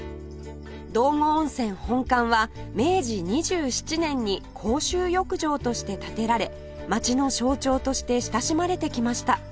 道後温泉本館は明治２７年に公衆浴場として建てられ街の象徴として親しまれてきました